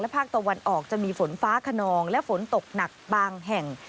ภาคตะวันออกจะมีฝนฟ้าขนองและฝนตกหนักบางแห่ง